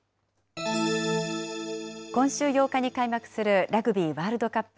今週８日に開幕するラグビーワールドカップ